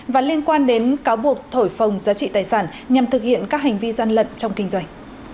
và liên quan đến cáo buộc thổi phồng giá trị tài sản nhằm thực hiện các hành vi gian lận trong kinh doanh